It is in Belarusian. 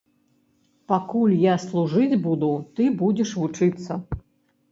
Пакуль я служыць буду, ты будзеш вучыцца.